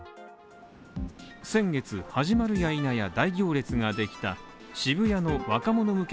先月、始まるやいなや大行列ができた渋谷の若者向け